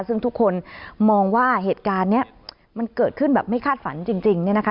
ซึ่งทุกคนมองว่าเหตุการณ์นี้มันเกิดขึ้นแบบไม่คาดฝันจริงเนี่ยนะคะ